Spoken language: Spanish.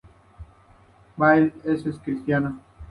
Baird es cristiano.